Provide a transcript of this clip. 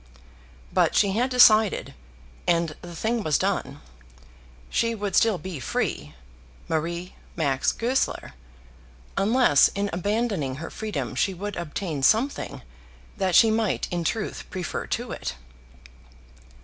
But she had decided, and the thing was done. She would still be free, Marie Max Goesler, unless in abandoning her freedom she would obtain something that she might in truth prefer to it.